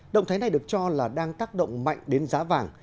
động thái này được cho là đang tác động mạnh đến giá vàng